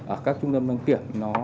ở các trung tâm đăng kiểm